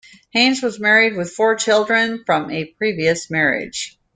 Hayes was married with four children from a previous marriage.